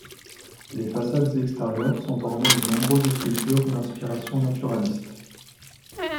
Les façades extérieures sont ornées de nombreuses sculptures d'inspiration naturaliste.